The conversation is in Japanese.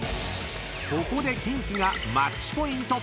［ここでキンキがマッチポイント］